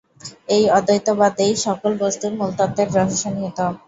এই অদ্বৈতবাদেই সকল বস্তুর মূলতত্ত্বের রহস্য নিহিত।